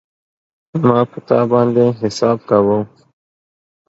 ما په تا باندی حساب کاوه